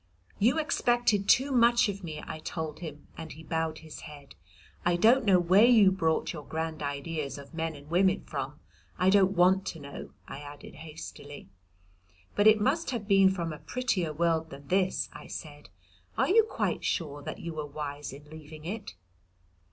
"You expected too much of me," I told him, and he bowed his head. "I don't know where you brought your grand ideas of men and women from. I don't want to know," I added hastily. "But it must have been from a prettier world than this," I said: "are you quite sure that you were wise in leaving it?"